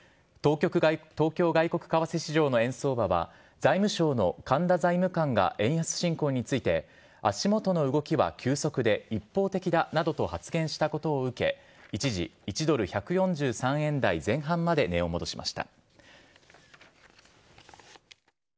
東京外国為替市場の円相場は、財務省の神田財務官が円安進行について足元の動きは急速で、一方的だなどと発言したことを受け、一時１ドル１４３円台前半まで値を戻しました。